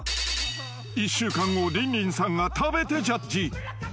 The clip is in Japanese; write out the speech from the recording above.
［１週間後リンリンさんが食べてジャッジ］